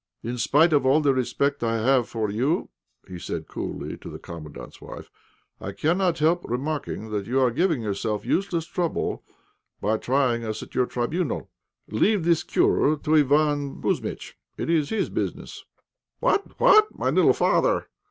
"In spite of all the respect I have for you," he said, coolly, to the Commandant's wife, "I cannot help remarking that you are giving yourself useless trouble by trying us at your tribunal. Leave this cure do Iván Kouzmitch it is his business." "What! what! my little father!"